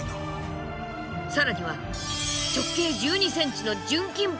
更には直径１２ｃｍの純金